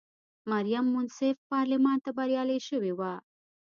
مریم منصف پارلمان ته بریالی شوې وه.